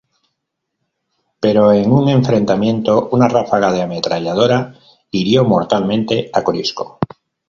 Pero, en un enfrentamiento, una ráfaga de ametralladora hirió mortalmente a Corisco.